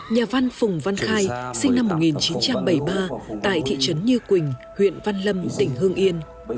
nhà văn phùng văn khai sinh năm một nghìn chín trăm bảy mươi ba tại thị trấn như quỳnh huyện văn lâm tỉnh hương yên